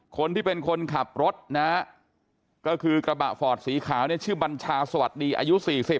คนที่เป็นคนขับรถก็คือกระบะฝอดสีขาวชื่อบัญชาสวัสดีอายุ๔๐